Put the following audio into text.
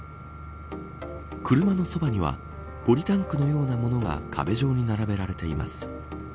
車のそばにはポリタンクのようなものが壁状に並べられています。